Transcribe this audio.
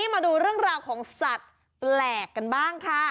มาดูเรื่องราวของสัตว์แปลกกันบ้างค่ะ